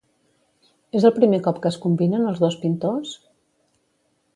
És el primer cop que es combinen els dos pintors?